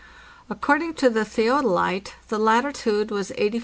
According to the theodolite, the latitude was 84° 11.